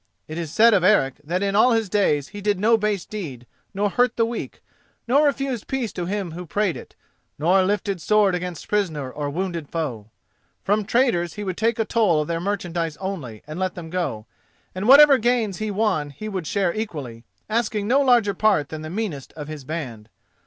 It is said of Eric that in all his days he did no base deed, nor hurt the weak, nor refused peace to him who prayed it, nor lifted sword against prisoner or wounded foe. From traders he would take a toll of their merchandise only and let them go, and whatever gains he won he would share equally, asking no larger part than the meanest of his band.